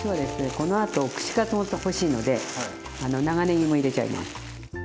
このあと串カツほんと欲しいので長ねぎも入れちゃいます。